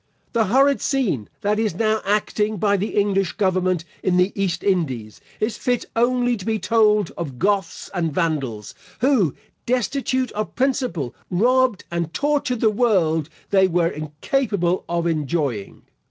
The horrid scene that is now acting by the English government in the East Indies, is fit only to be told of Goths and Vandals, who, destitute of principle, robbed and tortured the world they were incapable of enjoying.